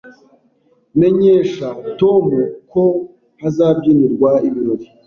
Menyesha Tom ko hazabyinirwa ibirori